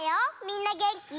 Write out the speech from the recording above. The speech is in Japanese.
みんなげんき？